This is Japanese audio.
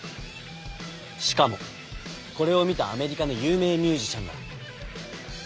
しかもこれを見たアメリカの有名ミュージシャンが。